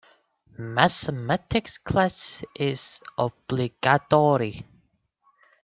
Mathematics class is obligatory.